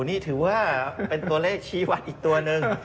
นี่ถือว่าเป็นตัวเลขชี้วัดอีกตัวหนึ่ง